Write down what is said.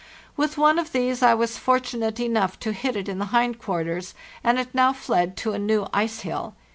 With one of these I was fortunate enough to hit it in the hind quarters, and it now fled to a new ice hill.